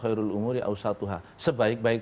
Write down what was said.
khairul umuri awsatuhah sebaik baik